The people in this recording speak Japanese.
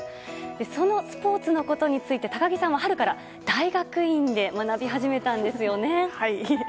そのスポーツのことについて高木さんは春から大学院で学び始めたんですよね。